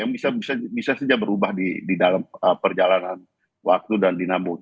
yang bisa saja berubah di dalam perjalanan waktu dan dinambut